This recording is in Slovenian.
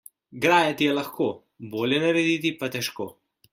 Grajati je lahko, bolje narediti pa težko.